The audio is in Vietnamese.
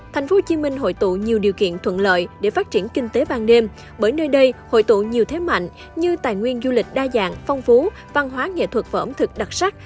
tp hcm hội tụ nhiều điều kiện thuận lợi để phát triển kinh tế ban đêm bởi nơi đây hội tụ nhiều thế mạnh như tài nguyên du lịch đa dạng phong phú văn hóa nghệ thuật và ẩm thực đặc sắc